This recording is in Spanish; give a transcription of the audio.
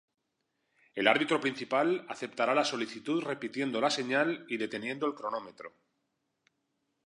El árbitro principal aceptará la solicitud repitiendo la señal y deteniendo el cronómetro.